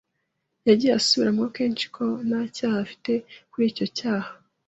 Yagiye asubiramo kenshi ko nta cyaha afite kuri icyo cyaha.